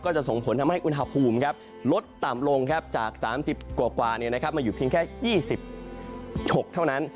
จะส่งผลทำให้อุณหภูมิลดต่ำลงจาก๓๐กว่ามาอยู่เพียงแค่๒ฉกเท่านั้น